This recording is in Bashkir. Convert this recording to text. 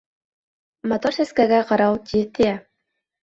Матур сәскәгә ҡырау тиҙ тейә.